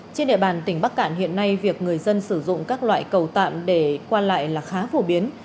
trên địa bàn tỉnh bắc cạn hiện nay việc người dân sử dụng các loại cầu tạm để qua lại là khá phổ biến